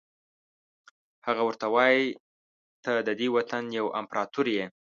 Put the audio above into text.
هغه ورته وایي ته ددې وطن یو امپراتور یې.